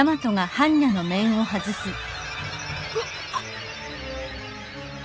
あっ。